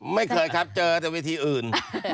ไม่เคยครับเจอแต่เวทีอื่น